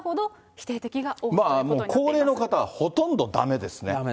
もう高齢の方は、ほとんどだだめですね。